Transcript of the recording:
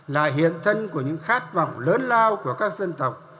là hiện thân của những khát vọng lớn lao của các dân tộc